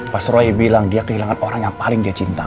pas roy bilang dia kehilangan orang yang paling dia cintai